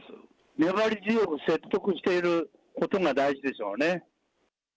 粘り強く説得していくことが大事でしょうね。